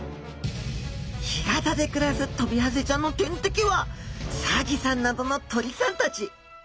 干潟で暮らすトビハゼちゃんの天敵はサギさんなどの鳥さんたち。